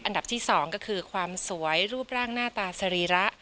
อันดับที่๒ก็คือความสวยรูปร่างหน้าตาสรีระ